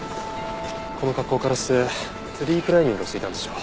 この格好からしてツリークライミングをしていたんでしょう。